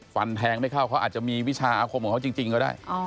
ฟันแทงไม่เข้าเขาอาจจะมีวิชาอาคมของเขาจริงก็ได้